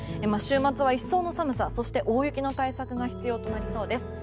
週末は一層の寒さそして大雪の対策が必要となりそうです。